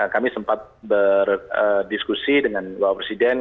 kami sempat berdiskusi dengan bapak presiden